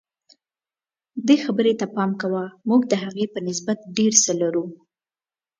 دې خبرې ته پام کوه موږ د هغې په نسبت ډېر څه لرو.